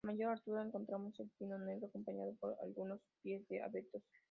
A mayor altura encontramos al pino negro, acompañado por algunos pies de abetos.